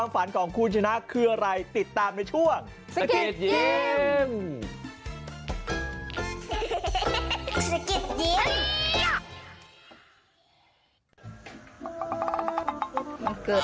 มันไม่ใช่แมทอ่ะไม่ใช่แมท